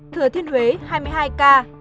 thừa thiên huế hai mươi hai ca